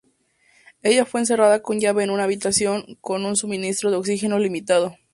Ella fue encerrada con llave en una habitación con un suministro de oxígeno limitado.